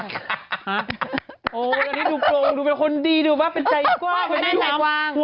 อันนี้ดูโคลงดูเป็นคนดีดูว่าเป็นใจกว้าง